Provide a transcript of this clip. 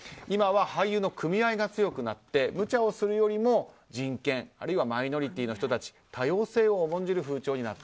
今は俳優の組合が強くなって無茶をするよりも人権、マイノリティーの人たち多様性を重んじる風潮に。